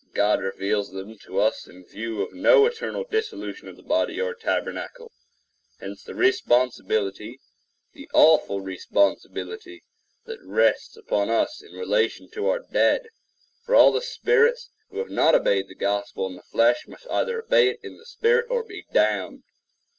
God reveals them to us in view of no eternal dissolution of the body, or tabernacle. Hence the responsibility, the awful responsibility, that rests upon us in relation to our dead; for all the spirits who have not obeyed the Gospel in the flesh must either obey it in the spirit or be damned.